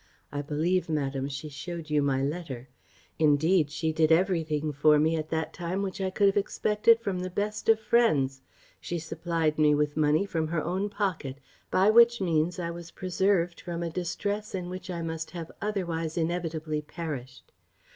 I believe, madam, she shewed you my letter. Indeed, she did everything for me at that time which I could have expected from the best of friends, She supplied me with money from her own pocket, by which means I was preserved from a distress in which I must have otherwise inevitably perished.